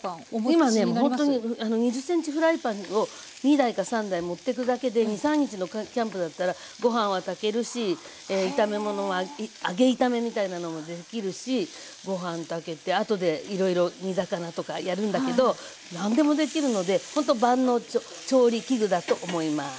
今ねほんとに２０ｃｍフライパンを２台か３台持ってくだけで２３日のキャンプだったらご飯は炊けるし炒め物は揚げ炒めみたいなのもできるしご飯炊けてあとでいろいろ煮魚とかやるんだけど何でもできるのでほんと万能調理器具だと思います。